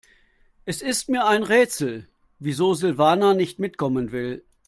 Es ist mir ein Rätsel, wieso Silvana nicht mitkommen will.